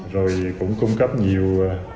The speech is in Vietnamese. rồi cũng cung cấp nhiều